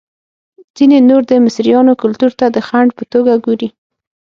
ځینې نور د مصریانو کلتور ته د خنډ په توګه ګوري.